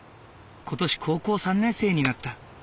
今年高校３年生になった。